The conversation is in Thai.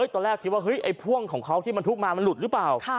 ตอนแรกคิดว่าเฮ้ยไอ้พ่วงของเขาที่มันทุกมามันหลุดหรือเปล่า